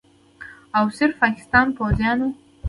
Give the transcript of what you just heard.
او صرف پاکستان پوځیانو